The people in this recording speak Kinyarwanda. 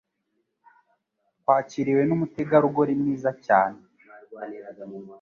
Twakiriwe numutegarugori mwiza cyane.